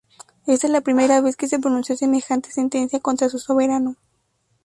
Esta es la primera vez que se pronunció semejante sentencia contra su soberano.